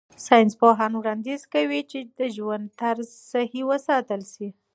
ساینسپوهان وړاندیز کوي چې ژوند طرز صحي وساتل شي.